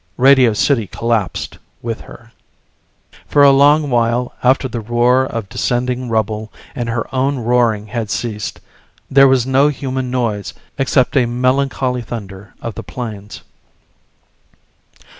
Radio City collapsed with her. For a long while after the roar of descending rubble and her own roaring had ceased, there was no human noise except a melancholy thunder of the planes.